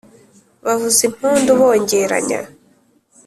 Bavuza impundu bongeranya